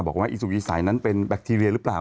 บอกว่าอิสุวิสัยนั้นเป็นแบคทีเรียหรือเปล่า